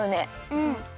うん。